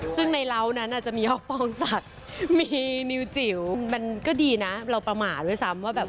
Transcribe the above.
ซึ่งในร้าวนั้นอาจจะมีฮอปปองศักดิ์มีนิวจิ๋วมันก็ดีนะเราประมาทด้วยซ้ำว่าแบบ